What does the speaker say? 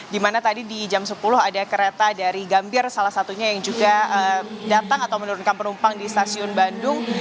dimana tadi di jam sepuluh ada kereta dari gambir salah satunya yang juga datang atau menurunkan penumpang di stasiun bandung